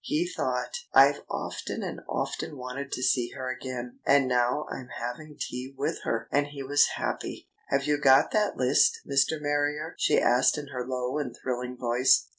He thought: "I've often and often wanted to see her again. And now I'm having tea with her!" And he was happy. "Have you got that list, Mr. Marrier?" she asked in her low and thrilling voice.